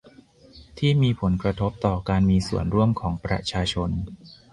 ที่มีผลกระทบต่อการมีส่วนร่วมของประชาชน